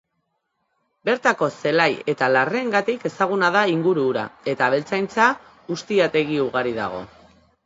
Bertako zelai eta larreengatik ezaguna da inguru hura eta abeltzaintza-ustiategi ugari dago.